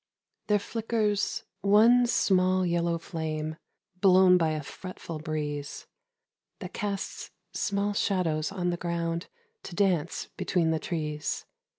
THERE flickers one small yellow flame Blown by a fretful breeze That casts small shadows on the ground To dance between the trees.